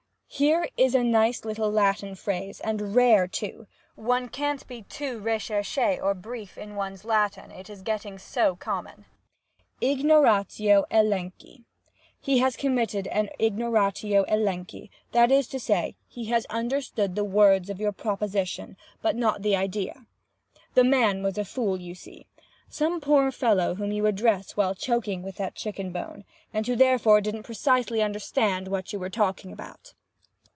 "Here is a nice little Latin phrase, and rare too, (one can't be too recherché or brief in one's Latin, it's getting so common—ignoratio elenchi. He has committed an ignoratio elenchi—that is to say, he has understood the words of your proposition, but not the idea. The man was a fool, you see. Some poor fellow whom you address while choking with that chicken bone, and who therefore didn't precisely understand what you were talking about.